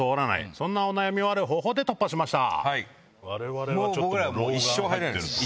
そんなお悩みをある方法で突破しました。